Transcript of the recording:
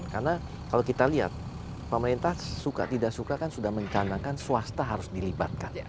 karena kalau kita lihat pemerintah suka tidak suka kan sudah mencandangkan swasta harus dilibatkan